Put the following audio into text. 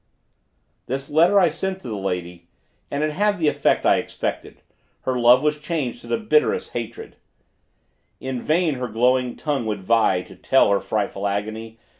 This letter I sent to the lady, and it had the effect that I expected; her love was changed to the bitterest hatred: In vain her glowing tongue would vie, To tell her frightful agony.